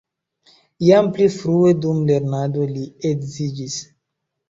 Jam pli frue dum lernado li edziĝis.